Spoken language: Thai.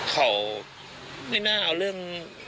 เขาไม่น่าเอาเรื่อง